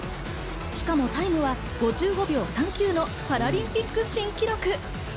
しかもタイムは５５秒３９のパラリンピック新記録。